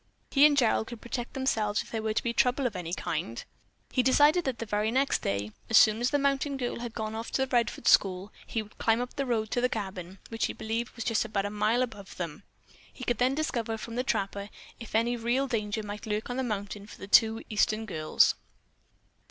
He and Gerald could protect themselves if there were to be trouble of any kind. He decided that the very next day, as soon as the mountain girl had gone to the Redfords school, he would climb up the road to the cabin, which he believed was just about a mile above them. Then he could discover from the trapper if any real danger might lurk on the mountain for the two Eastern girls.